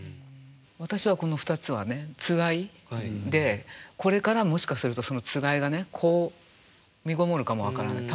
私はこの「ふたつ」はねつがいでこれからもしかするとそのつがいがね子をみごもるかも分からない。